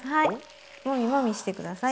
もみもみして下さい。